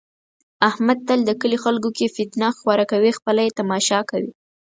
احمد تل د کلي خلکو کې فتنه خوره کوي، خپله یې تماشا کوي.